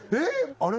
あれ